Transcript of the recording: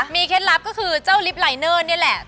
มีเคล็ดลับก็คือเจ้าลิปไลน์เนอะเนี่ยแหละ